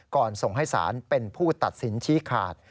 ส่งให้ศาลเป็นผู้ตัดสินชี้ขาด